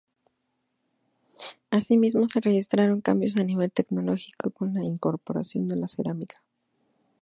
Asimismo se registraron cambios a nivel tecnológico con la incorporación de la cerámica.